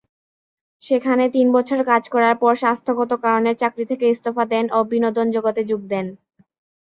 সেখানে তিন বছর কাজ করার পর স্বাস্থ্যগত কারণে চাকরি থেকে ইস্তফা দেন ও বিনোদন জগতে যোগ দেন।